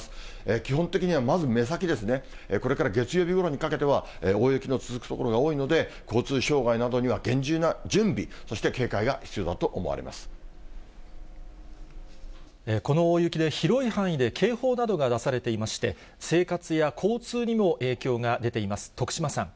基本的にはまず目先ですね、これから月曜日ごろにかけては、大雪の続く所が多いので、交通障害などには厳重な準備、この大雪で、広い範囲で警報などが出されていまして、生活や交通にも影響が出ています。